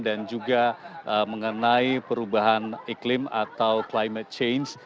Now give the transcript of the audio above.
dan juga mengenai perubahan iklim atau climate change